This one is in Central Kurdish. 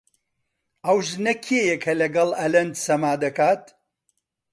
ئەو ژنە کێیە کە لەگەڵ ئەلەند سەما دەکات؟